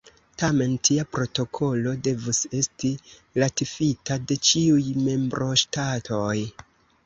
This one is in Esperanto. Tamen tia protokolo devus esti ratifita de ĉiuj membroŝtatoj.